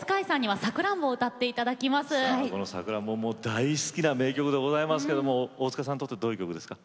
この「さくらんぼ」もう大好きな名曲でございますけども大塚さんにとってどういう曲ですか？